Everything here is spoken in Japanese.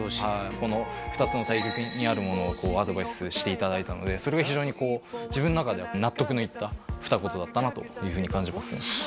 この２つの対極にあるものをアドバイスしていただいたのでそれが非常にこう自分の中では納得のいった二言だったなというふうに感じますね